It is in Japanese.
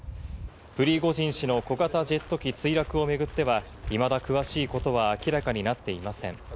プリゴジン氏の小型ジェット機墜落を巡っては、いまだ詳しいことは明らかになっていません。